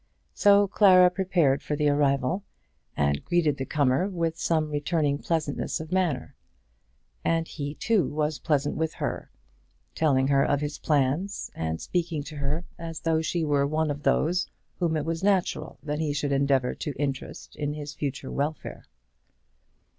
So Clara prepared for the arrival, and greeted the comer with some returning pleasantness of manner. And he, too, was pleasant with her, telling her of his plans, and speaking to her as though she were one of those whom it was natural that he should endeavour to interest in his future welfare.